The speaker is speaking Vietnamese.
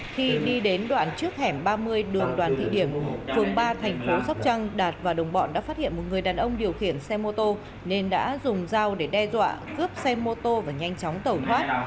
khi đi đến đoạn trước hẻm ba mươi đường đoàn thị điểm phường ba thành phố sóc trăng đạt và đồng bọn đã phát hiện một người đàn ông điều khiển xe mô tô nên đã dùng dao để đe dọa cướp xe mô tô và nhanh chóng tẩu thoát